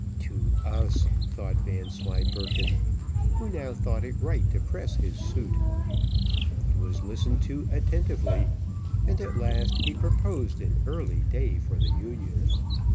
"To us!" thought Vanslyperken, who now thought it right to press his suit. He was listened to attentively, and at last he proposed an early day for the union.